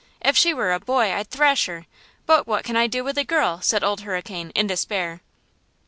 If she were a boy I'd thrash her; but what can I do with a girl?" said Old Hurricane, in despair.